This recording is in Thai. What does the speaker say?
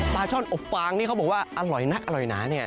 ปลาช่อนอบฝ่างนี่เขาบอกว่าอร่อยนะอร่อยหนา